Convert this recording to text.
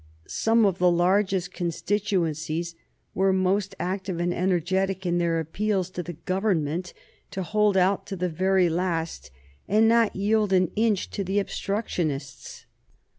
Some of the largest constituencies were most active and energetic in their appeals to the Government to hold out to the very last and not yield an inch to the obstructionists.